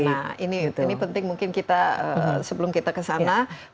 iya nah ini penting mungkin kita sebelum kita kesana